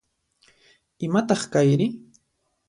Imataq kayri?